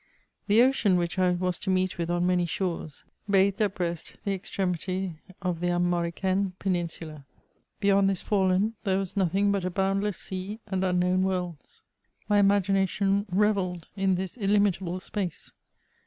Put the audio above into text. The ocean which I was to me^t with on many shores, bathed at Brest the extremity of the Amoricaine Peninsula. Beyond this forelani}, there was nothing but a boundless sea and unknown worlds. My imagination revelled in this illimit able space.